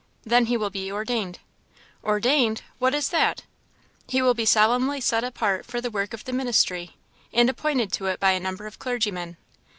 "Then he will be ordained." "Ordained! what is that?" "He will be solemnly set apart for the work of the ministry, and appointed to it by a number of clergymen."